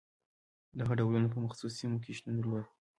دغو ډولونه په مخصوصو سیمو کې شتون درلود.